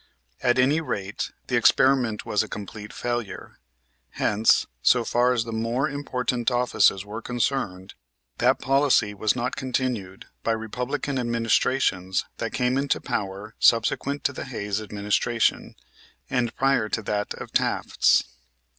At any rate the experiment was a complete failure, hence, so far as the more important offices were concerned, that policy was not continued by Republican administrations that came into power subsequent to the Hayes administration, and prior to that of Taft's.